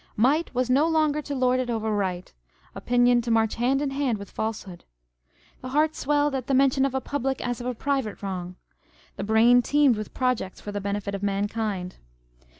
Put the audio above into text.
Might was no longer to lord it over right, opinion to march hand in hand with falsehood. The heart swelled at the mention of a public as of a private wrongâ€" the brain teemed with projects for the benefit of mankind.